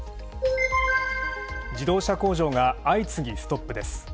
自動車工場が相次ぎストップです。